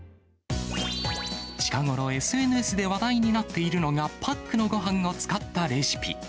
近頃ＳＮＳで話題になっているのが、パックのごはんを使ったレシピ。